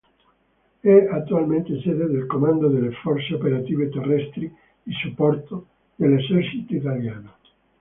È attualmente sede del Comando delle Forze Operative Terrestri di Supporto dell'Esercito Italiano.